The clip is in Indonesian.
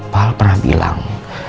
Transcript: pak al pernah bilang